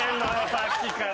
さっきから！